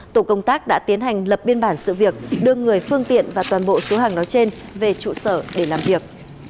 tổ công tác đã tiến hành lập biên bản sự việc đưa người phương tiện và toàn bộ số hàng nói trên về trụ sở để làm việc